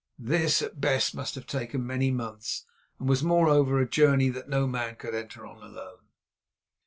This at best must have taken many months, and was moreover a journey that no man could enter on alone.